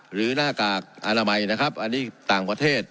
หน้ากากอนามัยนะครับอันนี้ต่างประเทศ